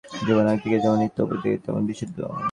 জীব একদিকে যেমন নিত্য, অপরদিকে তেমনি বিশুদ্ধ।